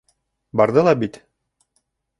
— Барҙы ла бит...